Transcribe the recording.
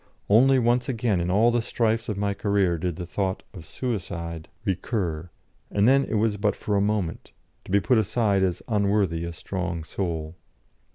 Only once again in all the strifes of my career did the thought of suicide recur, and then it was but for a moment, to be put aside as unworthy a strong soul.